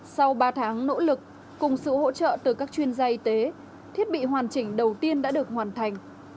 sau ba tháng nỗ lực cùng sự hỗ trợ từ các chuyên gia y tế thiết bị hoàn chỉnh đầu tiên đã được hoàn thành